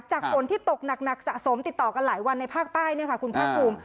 จากฝนที่ตกหนักหนักสะสมติดต่อกันหลายวันในภาคใต้เนี่ยค่ะคุณพระคุม